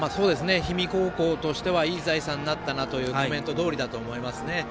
氷見高校としてはいい財産になったというコメントどおりだと思います。